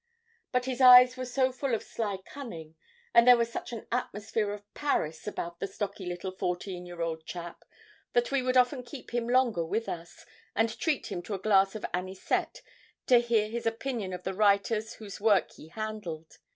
"But his eyes were so full of sly cunning, and there was such an atmosphere of Paris about the stocky little fourteen year old chap, that we would often keep him longer with us, and treat him to a glass of anisette to hear his opinion of the writers whose work he handled.